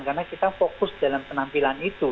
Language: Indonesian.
karena kita fokus dalam penampilan itu